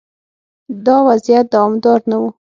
دا وضعیت دوامدار نه و.